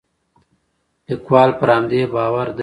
لیکوال پر همدې باور دی.